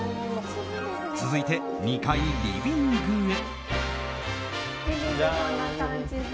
続いて２階リビングへ。